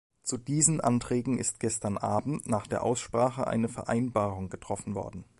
Zu diesen Anträgen ist gestern Abend nach der Aussprache eine Vereinbarung getroffen worden.